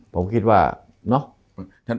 ผมคิดว่าเนาะ